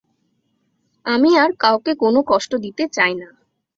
আমি আর কাউকে কোনো কষ্ট দিতে চাই না।